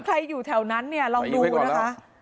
ใครอยู่แถวนั้นนี่ลองดูนะค่ะ